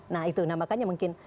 nah itu makanya mungkin